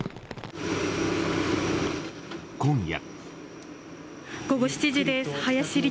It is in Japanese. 今夜。